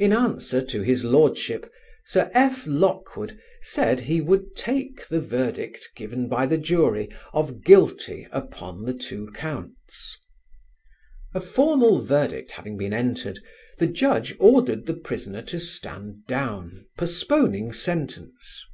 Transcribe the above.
In answer to his Lordship, Sir F. Lockwood said he would take the verdict given by the jury of "guilty" upon the two counts. A formal verdict having been entered, the judge ordered the prisoner to stand down, postponing sentence.